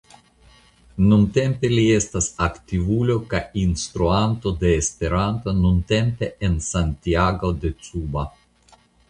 Nuntempe li estas aktivulo kaj instruanto de Esperanto nuntempe en Santiago de Cuba.